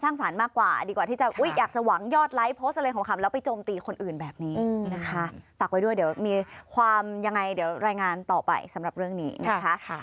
ตักไว้ด้วยเดี๋ยวมีความยังไงรายงานต่อไปสำหรับเรื่องนี้นะคะ